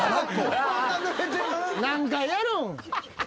何回やるん？